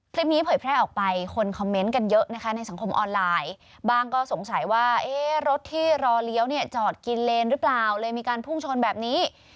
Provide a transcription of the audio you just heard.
เผยแพร่ออกไปคนคอมเมนต์กันเยอะนะคะในสังคมออนไลน์บ้างก็สงสัยว่ารถที่รอเลี้ยวเนี่ยจอดกินเลนหรือเปล่าเลยมีการพุ่งชนแบบนี้